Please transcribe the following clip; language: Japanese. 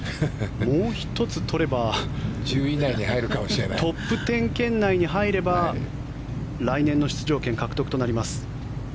もう１つ取ればトップ１０圏内に入れば来年の出場権獲得となります。